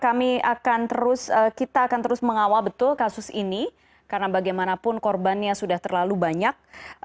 kami akan terus kita akan terus mengawal betul kasus ini karena bagaimanapun korbannya sudah terlalu banyak